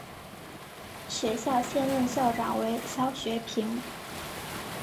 学校现任校长为肖学平。